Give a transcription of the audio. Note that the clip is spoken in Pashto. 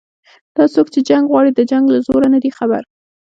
دا څوک چې جنګ غواړي د جنګ له زوره نه دي خبر